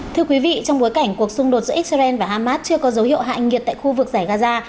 thưa quý vị trong bối cảnh cuộc xung đột giữa israel và hamas chưa có dấu hiệu hạ nhiệt tại khu vực giải gaza